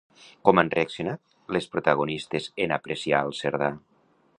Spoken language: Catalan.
Com han reaccionat les protagonistes en apreciar al Cerdà?